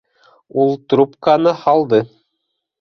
- Ул трубканы һалды.